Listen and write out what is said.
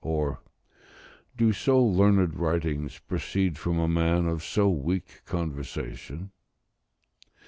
Or "Do so learned writings proceed from a man of so weak conversation?"